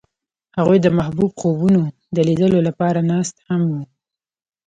هغوی د محبوب خوبونو د لیدلو لپاره ناست هم وو.